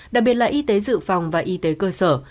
đặc biệt là y tế dự phòng và y tế cơ sở